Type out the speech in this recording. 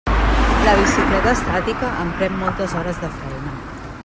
La bicicleta estàtica em pren moltes hores de feina.